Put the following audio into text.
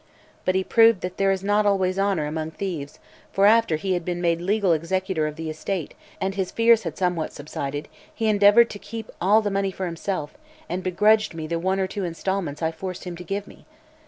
But he proved that there is not always honor among thieves, for after he had been made legal executor of the estate and his fears had somewhat subsided he endeavored to keep all the money for himself and begrudged me the one or two instalments I forced him to give me.